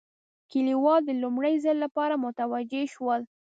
کلیوال د لومړي ځل لپاره متوجه شول.